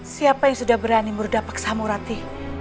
siapa yang sudah berani merudapaksamu rati